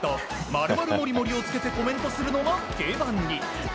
マルマルモリモリをつけてコメントするのが定番に。